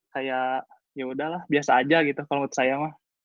kayak yaudah lah biasa aja gitu kalo menurut saya mah